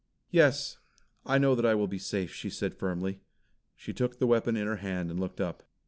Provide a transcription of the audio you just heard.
"Yes, I know that I will be safe," she said firmly. She took the weapon in her hand and looked up.